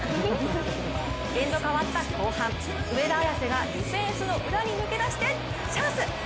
エンド変わった後半、上田綺世がディフェンスの裏に抜け出してチャンス。